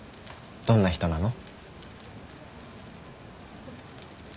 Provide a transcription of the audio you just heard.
どんな人なの？